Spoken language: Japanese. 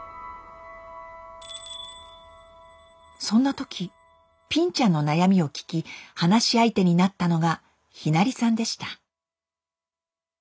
そんな時ぴんちゃんの悩みを聞き話し相手になったのがひなりさんでした。